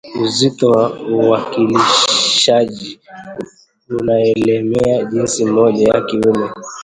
uzito wa uwakilishaji unaelemea jinsia moja; ya kiume